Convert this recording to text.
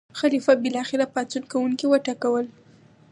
خلیفه بالاخره پاڅون کوونکي وټکول.